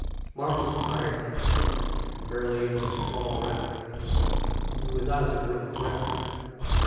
Mark was tired now, and barely able to crawl around, even without the grip of gravity.